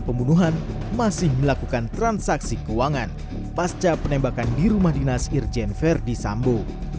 pembunuhan masih melakukan transaksi keuangan pasca penembakan di rumah dinas irjen verdi sambo